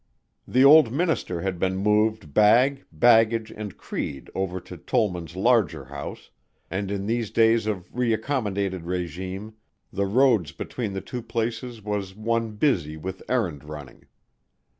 The old minister had been moved bag, baggage and creed over to Tollman's larger house, and in these days of reaccommodated régime, the road between the two places was one busy with errand running.